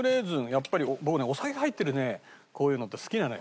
やっぱり僕ねお酒入ってるねこういうのって好きなのよ。